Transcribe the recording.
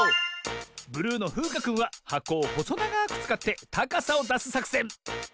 ブルーのふうかくんははこをほそながくつかってたかさをだすさくせん。